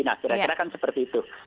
nah kira kira kan seperti itu